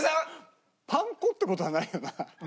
パン粉って事はないよな？